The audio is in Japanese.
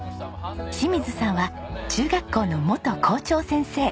清水さんは中学校の元校長先生。